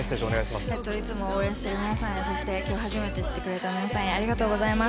いつも応援してくれてる皆さん、それから初めて今日見た皆さん、ありがとうございます。